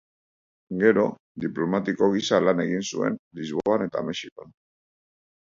Gero, diplomatiko gisa lan egin zuen Lisboan eta Mexikon.